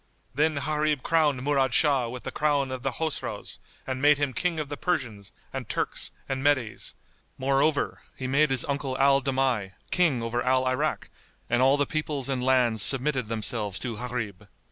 Then Gharib crowned Murad Shah with the crown of the Chosroës and made him King of the Persians and Turks and Medes; moreover, he made his uncle Al Damigh, King over Al Irak, and all the peoples and lands submitted themselves to Gharib.